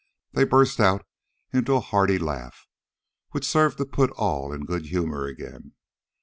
They burst out into a hearty laugh, which served to put all in good humor again.